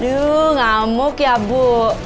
duh ngamuk ya bu